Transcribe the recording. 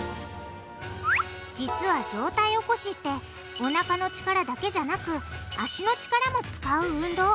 実は上体起こしっておなかの力だけじゃなく脚の力も使う運動